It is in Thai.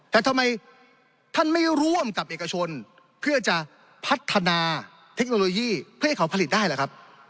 แต่ทำไมท่านไม่ร่วมกับเอกชนเพื่อจะพัฒนาเทคโนโลยีเพื่อให้เขาผลิตได้ล่ะครับ